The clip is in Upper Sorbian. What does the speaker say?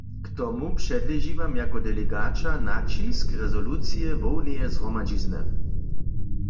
K tomu předleži Wam jako delegaća naćisk rezolucije hłowneje zhromadźizny.